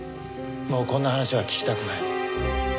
もうこんな話は聞きたくない。